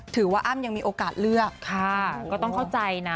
อ้ำยังมีโอกาสเลือกค่ะก็ต้องเข้าใจนะ